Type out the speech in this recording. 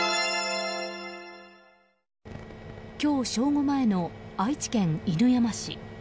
今日正午前の愛知県犬山市。